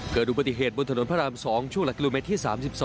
เกิดอุบัติเหตุบนถนนพระราม๒ช่วงหลักกิโลเมตรที่๓๒